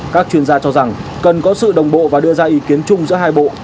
các chuyên gia cho rằng cần có sự đồng bộ và đưa ra ý kiến chung giữa hai bộ